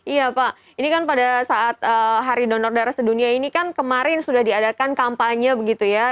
iya pak ini kan pada saat hari donor darah sedunia ini kan kemarin sudah diadakan kampanye begitu ya